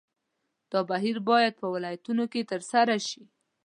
دا بهیر باید په ولایتونو کې ترسره شي.